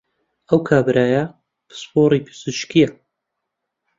ئەو کابرایە پسپۆڕی پزیشکییە